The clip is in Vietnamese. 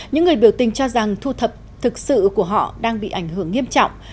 những người biểu tình cho rằng thu thập thực sự của họ đang bị ảnh hưởng nghiêm trọng